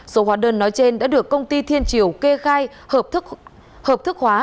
số hóa đơn nói trên đã được công ty thiên triều kê khai hợp thức hóa